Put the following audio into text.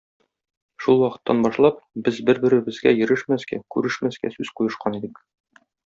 Шул вакыттан башлап, без бер-беребезгә йөрешмәскә, күрешмәскә сүз куешкан идек.